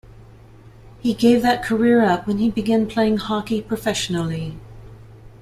He gave that career up when he began playing hockey professionally.